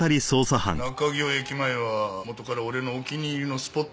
中京駅前は元から俺のお気に入りのスポットなの。